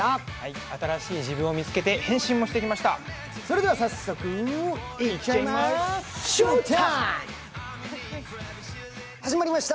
新しい自分を見つけて変身もしてきました。